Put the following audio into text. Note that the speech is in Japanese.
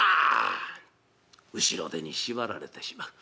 後ろ手に縛られてしまう。